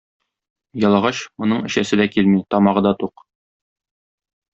Ялагач, моның эчәсе дә килми, тамагы да тук.